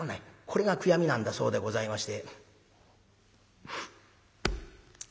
これが悔やみなんだそうでございまして。